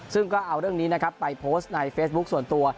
ซึ่งก็เอาเรื่องนี้นะครับไปโพสต์ในเฟซบุ๊คส่วนตัว